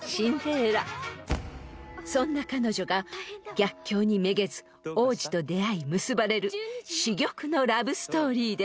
［そんな彼女が逆境にめげず王子と出会い結ばれる珠玉のラブストーリーです］